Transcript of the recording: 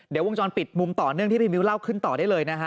เดี๋ยววงจรปิดมุมต่อเนื่องที่พี่มิ้วเล่าขึ้นต่อได้เลยนะฮะ